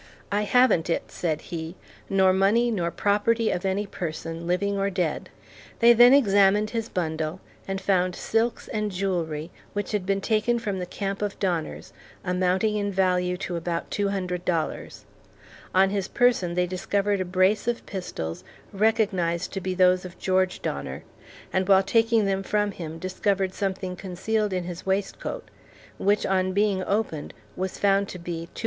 "I haven't it," said he, "nor money nor property of any person, living or dead." They then examined his bundle, and found silks and jewellery, which had been taken from the camp of Donners, amounting in value to about $200.00. On his person they discovered a brace of pistols recognized to be those of George Donner; and while taking them from him, discovered something concealed in his waistcoat, which on being opened was found to be $225.